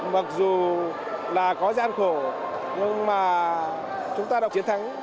mặc dù là có gian khổ nhưng mà chúng ta đọc chiến thắng